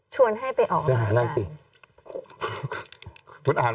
ชวนให้ไปออกรายการ